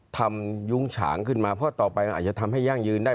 ยุ้งฉางขึ้นมาเพราะต่อไปมันอาจจะทำให้ยั่งยืนได้